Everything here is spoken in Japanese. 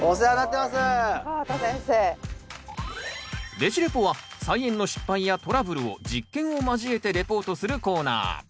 「ベジ・レポ」は菜園の失敗やトラブルを実験を交えてレポートするコーナー。